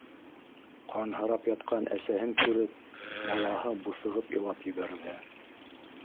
Ҡанһырап ятҡан әсәһен күреп, балаһы буҫығып илап ебәрҙе.